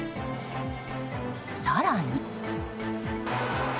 更に。